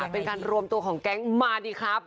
เป็นการรวมตัวของแก๊งมาดีครับ